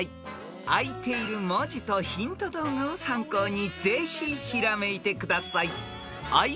［あいている文字とヒント動画を参考にぜひひらめいてください］